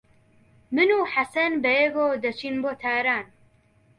من و حەسەن بەیەکەوە دەچین بۆ تاران.